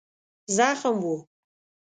زخم و.